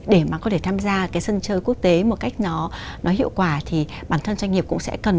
để mà có thể tham gia cái sân chơi quốc tế một cách nó hiệu quả thì bản thân doanh nghiệp cũng sẽ cần